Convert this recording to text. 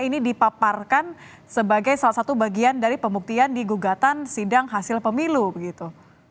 ini dipaparkan sebagai salah satu bagian dari pembuktian di gugatan sidang hasil pemilu begitu